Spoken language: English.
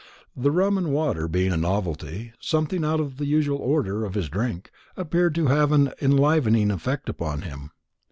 The rum and water being a novelty, something out of the usual order of his drink, appeared to have an enlivening effect upon him.